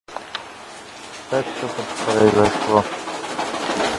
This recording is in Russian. Опять что-то произошло!